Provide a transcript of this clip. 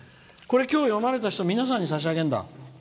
今日、読まれた皆さん皆さんに差し上げるんだ。